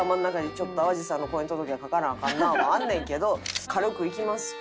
ちょっと淡路さんの婚姻届を書かなアカンなもあんねんけど「軽く行きますか？」